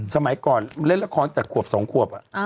สมัยก่อนเล่นละครแต่ขวบ๒ขวบ